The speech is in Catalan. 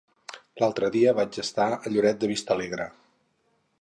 L'altre dia vaig estar a Lloret de Vistalegre.